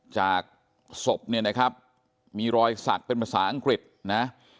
จากศพเนี่ยนะครับมีรอยสักเป็นภาษาอังกฤษนะ